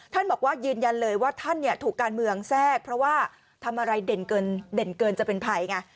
บอกว่ายืนยันเลยว่าท่านถูกการเมืองแทรกเพราะว่าทำอะไรเด่นเกินจะเป็นภัยไง